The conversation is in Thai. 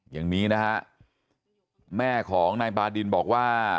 อย่างนี้นะฮะแม่ของนายบาดินบอกว่า